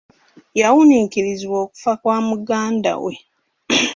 Yawuniikirizibwa okufa kwa mugandawe.